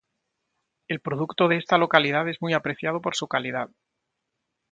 El producto de esta localidad es muy apreciado por su calidad.